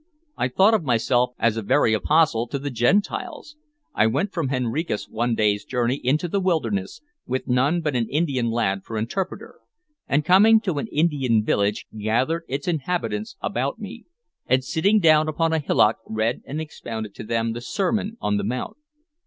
I thought of myself as a very apostle to the Gentiles. I went from Henricus one day's journey into the wilderness, with none but an Indian lad for interpreter, and coming to an Indian village gathered its inhabitants about me, and sitting down upon a hillock read and expounded to them the Sermon on the Mount.